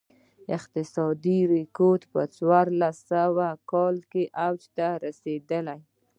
اقتصادي رکود په څوارلس کالو کې اوج ته رسېدلی.